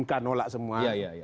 mk nolak semua